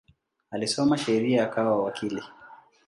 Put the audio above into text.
Alisoma sheria akawa wakili.